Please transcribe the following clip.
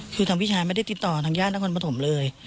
คือทางพี่ชายไม่ได้ติดต่อทางญาตินครปฐมเลย